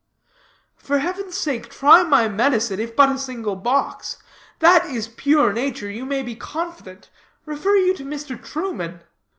Ugh, ugh, ugh!" "For heaven's sake try my medicine, if but a single box. That it is pure nature you may be confident, Refer you to Mr. Truman."